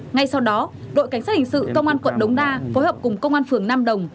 ngay sau đó đội cảnh sát hình sự công an quận đống đa phối hợp cùng công an phường nam đồng